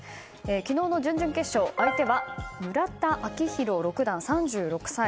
昨日の準々決勝相手は村田顕弘六段、３６歳。